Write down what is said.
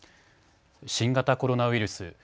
新型コロナウイルス。